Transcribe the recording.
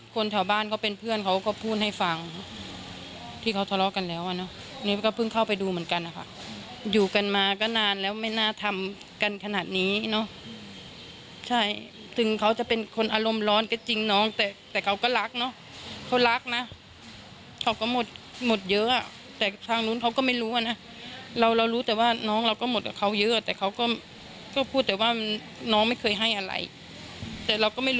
คนแถวบ้านก็เป็นเพื่อนเขาก็พูดให้ฟังที่เขาทะเลาะกันแล้วอ่ะเนอะนี่ก็เพิ่งเข้าไปดูเหมือนกันนะคะอยู่กันมาก็นานแล้วไม่น่าทำกันขนาดนี้เนอะใช่ถึงเขาจะเป็นคนอารมณ์ร้อนก็จริงน้องแต่แต่เขาก็รักเนอะเขารักนะเขาก็หมดหมดเยอะอ่ะแต่ทางนู้นเขาก็ไม่รู้อ่ะนะเราเรารู้แต่ว่าน้องเราก็หมดกับเขาเยอะแต่เขาก็พูดแต่ว่ามันน้องไม่เคยให้อะไรแต่เราก็ไม่รู้